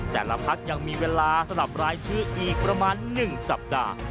แต่ละพักยังมีเวลาสลับรายชื่ออีกประมาณ๑สัปดาห์